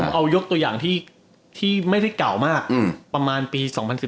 เอายกตัวอย่างที่ไม่ได้เก่ามากประมาณปี๒๐๑๙